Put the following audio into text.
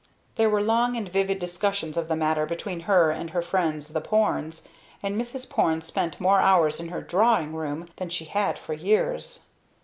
There were long and vivid discussions of the matter between her and her friends the Pornes, and Mrs. Porne spent more hours in her "drawing room" than she had for years.